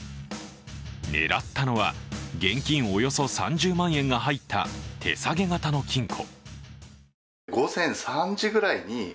狙ったのは、現金およそ３０万円が入った手提げ型の金庫。